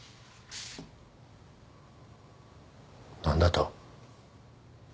何だと？